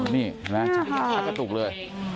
นี่ป้าใจถูกเลย